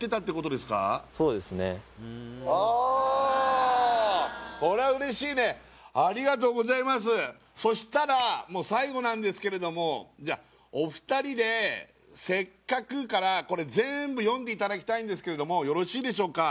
康平君はああこれはうれしいねそしたらもう最後なんですけれどもじゃあお二人で「せっかく」からこれ全部読んでいただきたいんですけれどよろしいでしょうか？